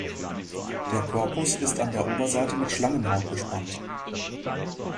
Der Korpus ist an der Oberseite mit Schlangenhaut bespannt.